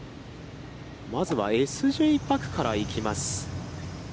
まずはＳ・Ｊ・パクからいきます。